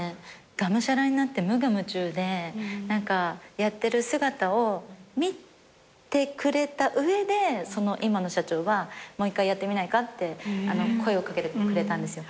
がむしゃらになって無我夢中でやってる姿を見てくれた上でその今の社長は「もう１回やってみないか」って声を掛けてくれたんですよ。